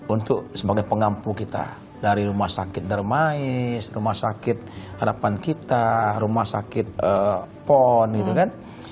untuk sebagai pengampu kita dari rumah sakit darmais rumah sakit harapan kita rumah sakit pon gitu kan